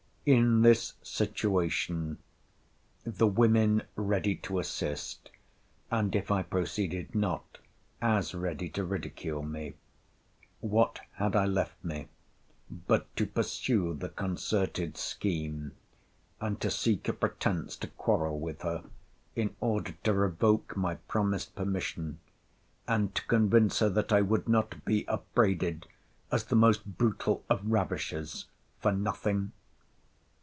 In this situation; the women ready to assist; and, if I proceeded not, as ready to ridicule me; what had I left me, but to pursue the concerted scheme, and to seek a pretence to quarrel with her, in order to revoke my promised permission, and to convince her that I would not be upbraided as the most brutal of ravishers for nothing?